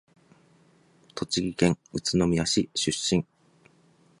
栃木県宇都宮市出身。作新学院小学部、作新学院中等部、栃木県立宇都宮高等学校、青山学院大学文学部日本文学科卒業。